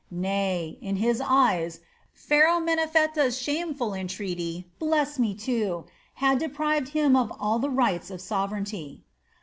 Nay, in his eyes Pharaoh Menephtah's shameful entreaty: "Bless me too!" had deprived him of all the rights of sovereignty.